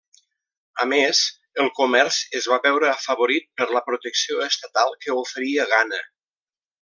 A més, el comerç es va veure afavorit per la protecció estatal que oferia Ghana.